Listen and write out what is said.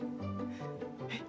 えっ？